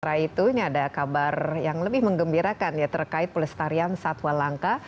setelah itu ini ada kabar yang lebih mengembirakan ya terkait pelestarian satwa langka